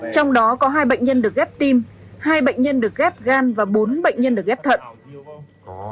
trong đó có hai bệnh nhân được ghép tim hai bệnh nhân được ghép gan và bốn bệnh nhân được ghép thận